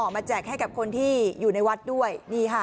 แจกให้กับคนที่อยู่ในวัดด้วยนี่ค่ะ